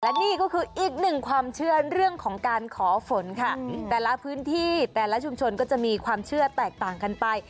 และนี่ก็คืออีกหนึ่งความเชื่อเรื่องของการขอฝนค่ะแต่ละพื้นที่แต่ละชุมชนก็จะมีความเชื่อแตกต่างกันไป